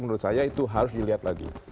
menurut saya itu harus dilihat lagi